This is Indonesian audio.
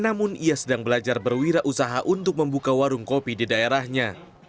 namun ia sedang belajar berwirausaha untuk membuka warung kopi di daerahnya